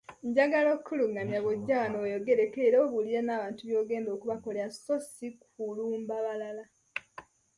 Njagala okulungamya, bw'ojja wano, weeyogereko era obuulire n’abantu by'ogenda okubakolera so ssi kulumba balala.